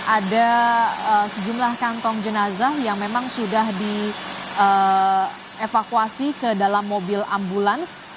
ada sejumlah kantong jenazah yang memang sudah dievakuasi ke dalam mobil ambulans